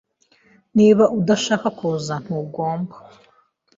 Niba udashaka kuza, ntugomba.